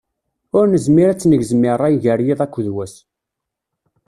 Ur nezmir ad tt-negzem i rray gar yiḍ akked wass.